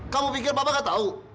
kamu pikir papa gak tau